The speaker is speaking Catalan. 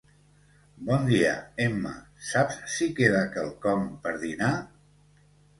Bon dia Emma, saps si queda quelcom per dinar?